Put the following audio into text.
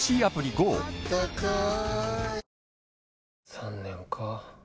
３年か。